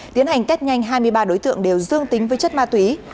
tiến hành test nhanh hai mươi ba đối tượng đều dương tính với chất ma túy